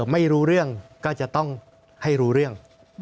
ไม่รู้เรื่องก็จะต้องให้รู้เรื่อง